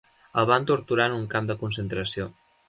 El van torturar en un camp de concentració.